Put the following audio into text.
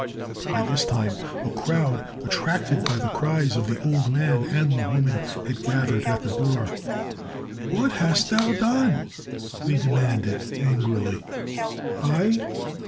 By this time, a crowd, attracted by the cries of the old man and the woman, had gathered at the door. "What hast thou done?" they demanded, angrily. "I?